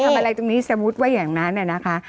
อะไรตรงนี้สมมุติว่าอย่างนั้นนะคะ